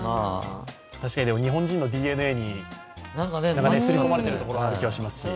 確かに日本人のＤＮＡにすり込まれているところがあると思いますし。